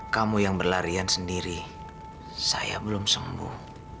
kamu yang berlarian sendiri saya belum sembuh